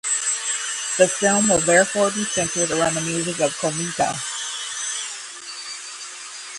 The film will therefore be centered around the music of Komitas.